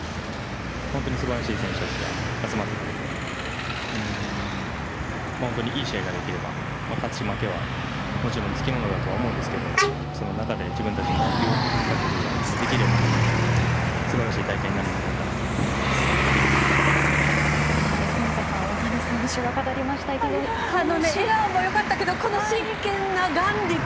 本当に素晴らしい選手たちが集まってくれて本当にいい試合ができれば勝つし、負けはもちろんつきものだと思いますがその中で自分たちの野球を各国ができれば素晴らしい大会になるのではと住田さん、大谷選手が笑顔も良かったけどこの真剣な眼力！